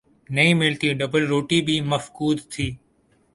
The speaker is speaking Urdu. نہیں ملتی، ڈبل روٹی بھی مفقود تھی۔